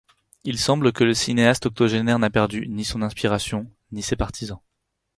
Il semble que le cinéaste octogénaire n’a perdu ni son inspiration ni ses partisans.